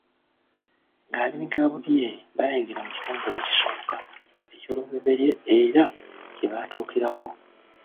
Ng’ali ne Gabulyeri, baayingira mu kitongole ekisooka, ekyoluberyeberye era kye baatuukirako.